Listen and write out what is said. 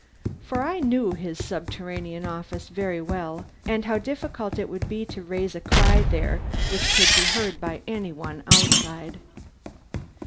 For I knew his subterranean office very well, and how difficult it would be to raise a cry there which could be heard by any one outside.